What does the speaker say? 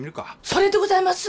それでございます！